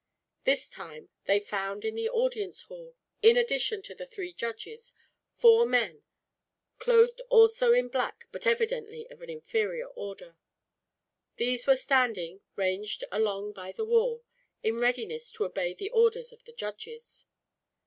This time they found in the audience hall, in addition to the three judges, four men; clothed also in black, but evidently of an inferior order. These were standing, ranged along by the wall, in readiness to obey the orders of the judges.